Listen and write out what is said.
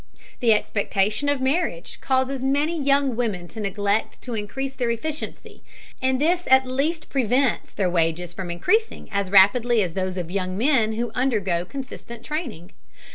The expectation of marriage causes many young women to neglect to increase their efficiency, and this at least prevents their wages from increasing as rapidly as those of young men who undergo consistent training.